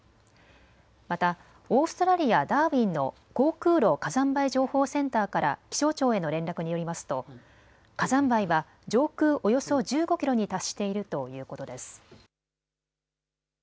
またオーストラリア・ダーウィンの航空路火山灰情報センターから気象庁への連絡によりますと火山灰は上空およそ１５キロに達しているということです。